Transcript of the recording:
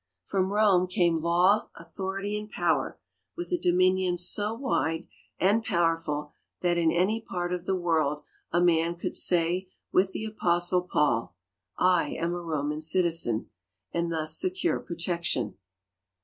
From Rome came law, authority, and power, with a dominion so wide and powerful that in any part of the world a man could say with the Apostle Paul, " I am a Roman citizen," and thus secure protection.